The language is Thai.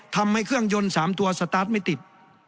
ทำให้เครื่องยนต์๓ตัวสตาร์ทไม่ติด